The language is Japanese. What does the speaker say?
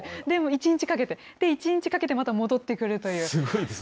でも１日かけて、１日かけてまた戻ってくるという。